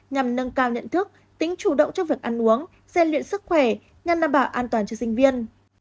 nhằm nâng cao nhận thức tính chủ động trong việc ăn uống gian luyện sức khỏe nhằm đảm bảo an toàn cho sinh viên